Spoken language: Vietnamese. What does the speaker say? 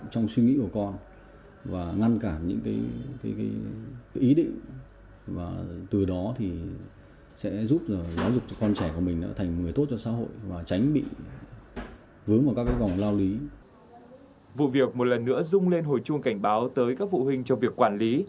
vụ việc một lần nữa rung lên hồi chuông cảnh báo tới các vụ huynh trong việc quản lý